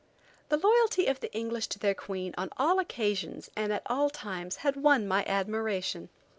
The loyalty of the English to their Queen on all occasions, and at all times, had won my admiration.